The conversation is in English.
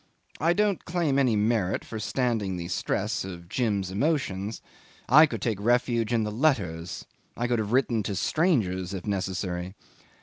I don't claim any merit for standing the stress of Jim's emotions; I could take refuge in the letters; I could have written to strangers if necessary.